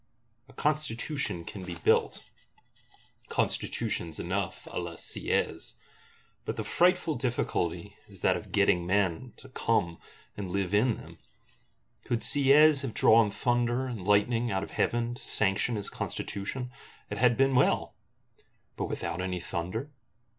_" A Constitution can be built, Constitutions enough à la Sieyes: but the frightful difficulty is that of getting men to come and live in them! Could Sieyes have drawn thunder and lightning out of Heaven to sanction his Constitution, it had been well: but without any thunder?